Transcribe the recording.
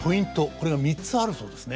これが３つあるそうですね。